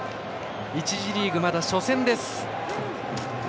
１次リーグ、まだ初戦です。